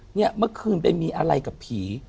เนี่ยเมื่อคืนไปมีอะไรกับผี